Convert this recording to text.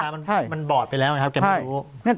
ตามันบอดไปแล้วไงครับ